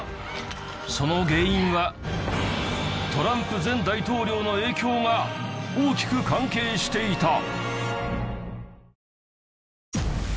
その原因はトランプ前大統領の影響が大きく関係していた！